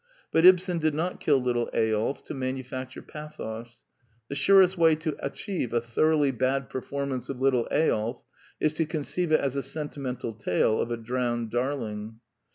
But Ibsen did not kill little Eyolf to manufacture pathos. The surest way to achieve a thoroughly bad performance of Little Eyolf is to conceive it as a sentimental tale of a drowned darling.